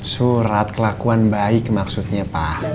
surat kelakuan baik maksudnya pak